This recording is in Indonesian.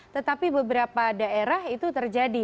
tetapi beberapa daerah itu terjadi